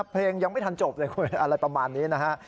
เพลงยังไม่ทันจบเลยคุณอะไรประมาณนี้นะฮะ